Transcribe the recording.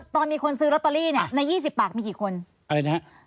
ตอนมีคนซื้อลอตเตอรี่เนี่ยใน๒๐ปากมีกี่คนอะไรนะฮะ